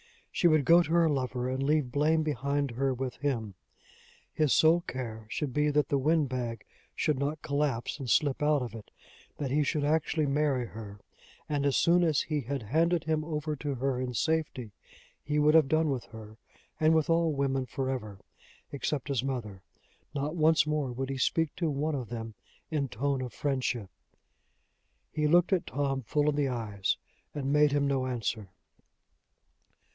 She should go to her lover, and leave blame behind her with him! His sole care should be that the wind bag should not collapse and slip out of it, that he should actually marry her; and, as soon as he had handed him over to her in safety, he would have done with her and with all women for ever, except his mother! Not once more would he speak to one of them in tone of friendship! He looked at Tom full in the eyes, and made him no answer.